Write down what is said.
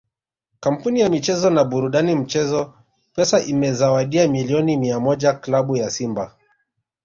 Kampuni ya michezo na burudani mchezo Pesa imewazawadia milioni mia moja klabu ya Simba